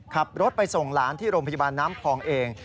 ขับรถไปส่งหลานที่โรงพยาบาลน้ำพองเอง